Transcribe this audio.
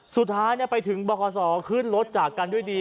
สุดท้ายไปถึงบคศขึ้นรถจากกันด้วยดี